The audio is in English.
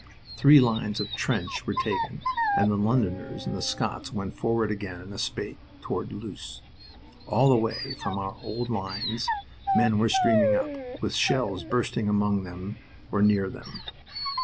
Three lines of trench were taken, and the Londoners and the Scots went forward again in a spate toward Loos. All the way from our old lines men were streaming up, with shells bursting among them or near them.